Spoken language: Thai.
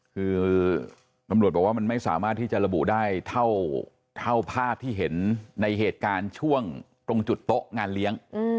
คือตำรวจบอกว่ามันไม่สามารถที่จะระบุได้เท่าภาพที่เห็นในเหตุการณ์ช่วงตรงจุดโต๊ะงานเลี้ยง